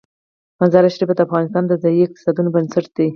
مزارشریف د افغانستان د ځایي اقتصادونو بنسټ دی.